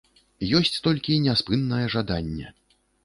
Ёсць толькі няспыннае жаданне.